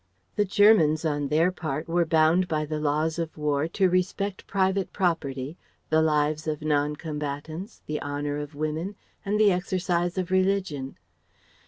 The Germans on their part were bound by the laws of war to respect private property, the lives of non combatants, the honour of women, and the exercise of religion.